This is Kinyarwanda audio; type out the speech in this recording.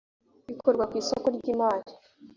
bikorwa ku isoko ry imari